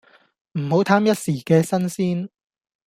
唔好貪一時既新鮮